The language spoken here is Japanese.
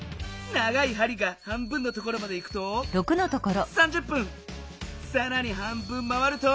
長いはりが半分のところまでいくとさらに半分回ると。